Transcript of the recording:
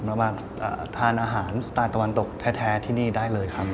มาทานอาหารสไตล์ตะวันตกแท้ที่นี่ได้เลยครับ